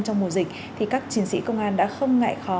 thì các chiến sĩ công an đã không ngại khó